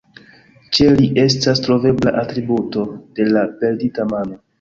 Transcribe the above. Ĉe li estas trovebla atributo de la perdita mano.